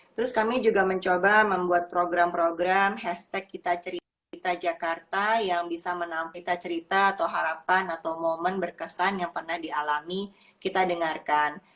terus kami juga mencoba membuat program program hashtag kita cerita jakarta yang bisa menampita cerita atau harapan atau momen berkesan yang pernah dialami kita dengarkan